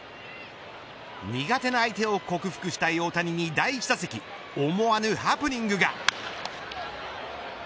苦手な相手を克服したい大谷に第１打席思わぬハプニングが。